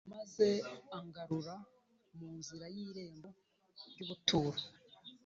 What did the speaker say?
Maze angarura mu nzira y irembo ry’ ubuturo